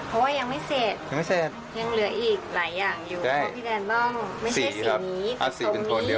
เพราะว่ายังไม่เสร็จยังเหลืออีกหลายอย่างอยู่เพราะพี่แดนต้องไม่ใช่สีนี้เป็นส่วนนี้